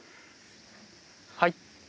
はい。